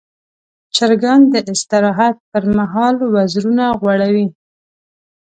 چرګان د استراحت پر مهال وزرونه غوړوي.